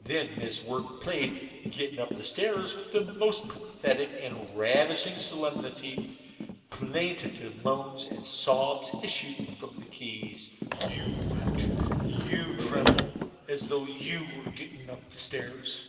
Then Miss Wirt played the 'Gettin' up Stairs' with the most pathetic and ravishing solemnity: plaintive moans and sobs issued from the keys you wept and trembled as you were gettin' up stairs.